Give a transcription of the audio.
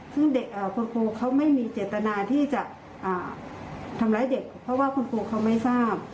ซึ่งเด็กคุณครูเขาไม่มีเจตนาที่จะทำร้ายเด็กเพราะว่าคุณครูเขาไม่ทราบ